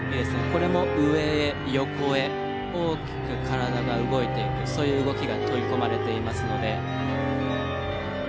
これも上へ横へ大きく体が動いていくそういう動きが取り込まれていますので。